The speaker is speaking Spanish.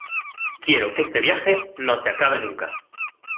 quiero que este viaje no se acabe nunca.